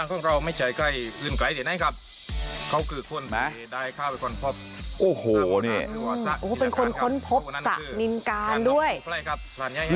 โอ้โหเนี่ยโอ้โหเป็นคนค้นพบสระนินการด้วย